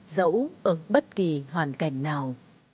dẫu ở bất kỳ hoàn cảnh nào